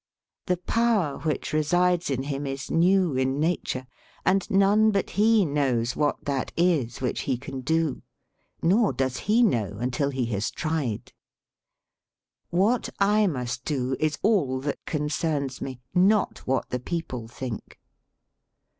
The power which resides in him is new in nature, and none but he knows what that is which he can do, nor does he know until he has tried. ... What I must do is all that concerns me, not what the people think.